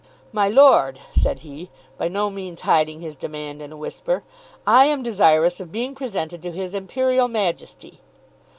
"My Lord," said he, by no means hiding his demand in a whisper, "I am desirous of being presented to his Imperial Majesty."